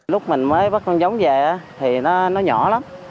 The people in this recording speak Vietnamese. lúc mình mới bắt con giống về thì nó nhỏ lắm